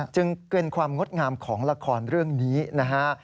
จึงเกินความงดงามของละครเรื่องนี้นะฮะ